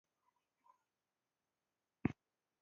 جانداد د خندا ملګری دی.